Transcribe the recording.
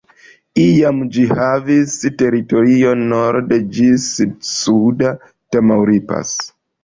Iam ĝi havis teritorion norde ĝis suda Tamaulipas.